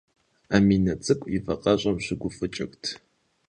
Аминэ цӏыкӏу и вакъэщӏэм щыгуфӏыкӏырт.